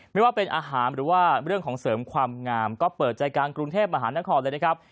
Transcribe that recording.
ไม่ว่าเป็นอาหารหรือว่าเรื่องของเสริมความงามก็เปิดใจกลางกรุงเทพมหานครเลยนะครับ